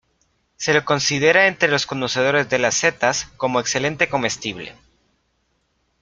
Se la considera entre los conocedores de las setas como excelente comestible.